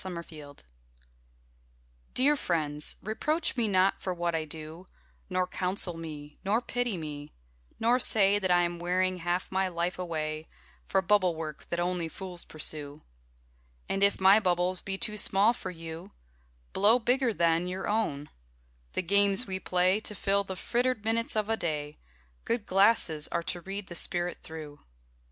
Dear Friends Dear friends, reproach me not for what I do, Nor counsel me, nor pity me; nor say That I am wearing half my life away For bubble work that only fools pursue. And if my bubbles be too small for you, Blow bigger then your own: the games we play To fill the frittered minutes of a day, Good glasses are to read the spirit through.